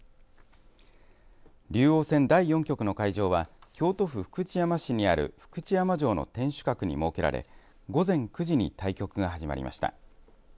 竜王戦の第４局の会場は京都府福知山市にある福知山城の天守閣に設けられ午前９時に対局が始まりました。